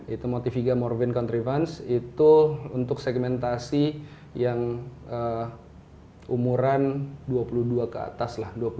itu motiviga morbin contrivance itu untuk segmentasi yang umuran dua puluh dua ke atas lah